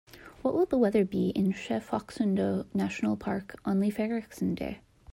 What will the weather be in Sche-Phoksundo-Nationalpark on leif erikson day?